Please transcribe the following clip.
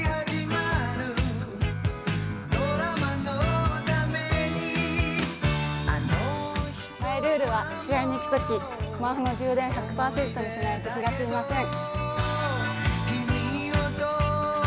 マイルールは試合に行くとき、スマホの充電１００％にしないと気が済みません。